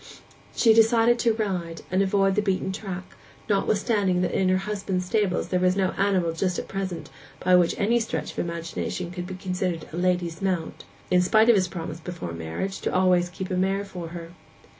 She decided to ride, and avoid the beaten track, notwithstanding that in her husband's stables there was no animal just at present which by any stretch of imagination could be considered a lady's mount, in spite of his promise before marriage to always keep a mare for her.